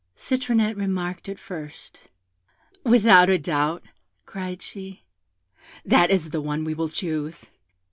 Citronette remarked it first. 'Without a doubt,' cried she, 'that is the one we will choose.'